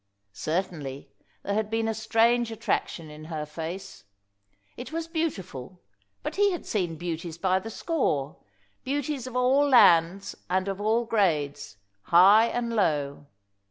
Certainly, there had been a strange attraction in her face. It was beautiful, but he had seen beauties by the score; beauties of all lands and of all grades, high and low.